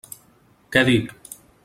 Què dic?